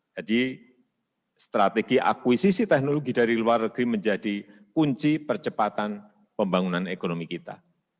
jadi strategi akuisisi teknologi dari luar negeri menjadi kunci percepatan pembangunan ekonomi kita